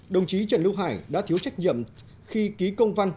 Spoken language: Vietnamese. đồng chí trần lưu hải đã thiếu trách nhiệm khi ký công văn